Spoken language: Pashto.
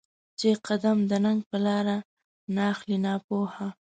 چې قـــــدم د ننــــــــګ په لار ناخلې ناپوهه